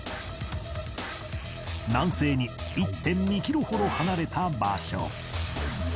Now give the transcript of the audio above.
南西に １．２ キロほど離れた場所